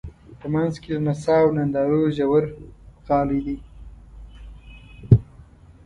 په منځ کې د نڅا او نندارو ژورغالی دی.